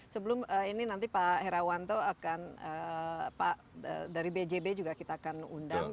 sebelum ini nanti pak herawan tuh akan dari bjb juga kita akan undang